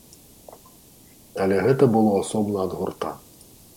Але гэта было асобна ад гурта.